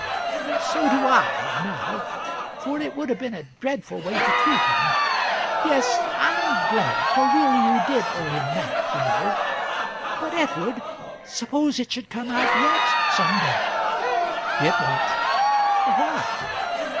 "So do I, now, for it would have been a dreadful way to treat him. Yes, I'm glad; for really you did owe him that, you know. But, Edward, suppose it should come out yet, some day!" "It won't." "Why?"